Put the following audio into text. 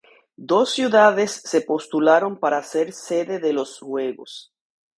Dos ciudades se postularon para ser sede de los Juegos.